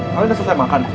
eh kamu udah selesai makan